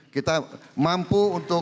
kita mampu untuk